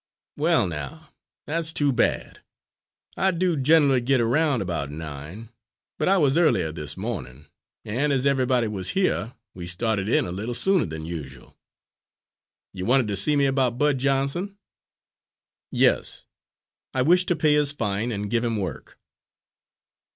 Well, now, that's too bad! I do generally git around about nine, but I was earlier this mornin' and as everybody was here, we started in a little sooner than usual. You wanted to see me about Bud Johnson?" "Yes, I wish to pay his fine and give him work."